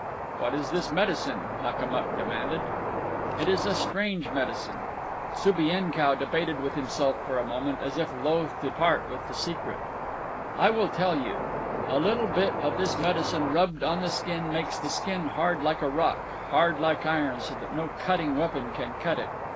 "What is this medicine?" Makamuk demanded. "It is a strange medicine." Subienkow debated with himself for a moment, as if loth to part with the secret. "I will tell you. A little bit of this medicine rubbed on the skin makes the skin hard like a rock, hard like iron, so that no cutting weapon can cut it.